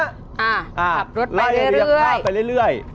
อ่าขับรถไปเรื่อย